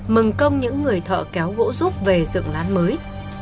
mừng công những người thợ kéo gỗ giúp về dựng lán mới